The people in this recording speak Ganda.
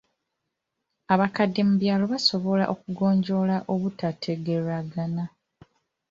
Abakadde mu byalo basobola okugonjoola obutategeeragana.